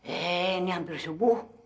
ini hampir subuh